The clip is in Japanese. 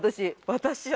私は。